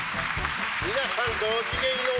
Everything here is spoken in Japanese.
「みなさんごきげんよう。